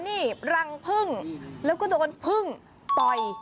นี่รังฟึ่งเราก็โดนฟึ่งต่อย